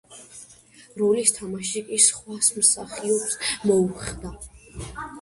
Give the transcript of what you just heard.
როლის თამაში კი სხვა მსახიობს მოუხდა.